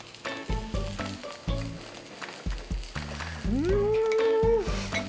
うん！